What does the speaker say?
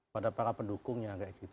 pada para pendukungnya